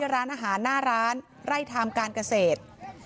ร้านอาหารหน้าร้านไร่ไทม์การเกษตร